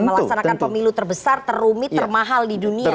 melaksanakan pemilu terbesar terumit termahal di dunia